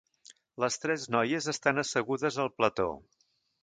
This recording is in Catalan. Les tres noies estan assegudes al plató.